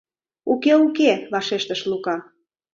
— Уке, уке, — вашештыш Лука.